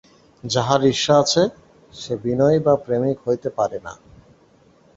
যাহার ঈর্ষা আছে, সে বিনয়ী বা প্রেমিক হইতে পারে না।